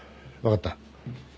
分かった。